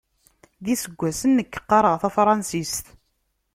D iseggasen nekk qqareɣ tafransist.